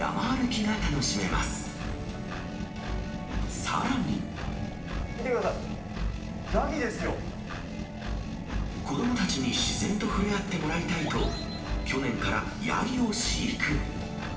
見てください、子どもたちに自然と触れ合ってもらいたいと、去年からヤギを飼育。